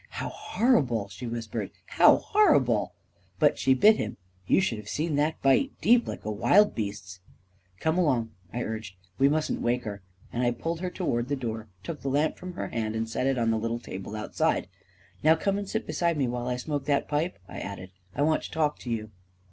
" How horrible !" she whispered. " How hor rible 1 But she bit him — you should have seen that bite — deep, like a wild beast's ..."" Come along," I urged. " We mustn't wake her," and I pulled her toward the door, took the lamp from her hand, and set it down on the little table outside. u Now come and sit beside me while I smoke that pipe," I added. " I want to talk to you."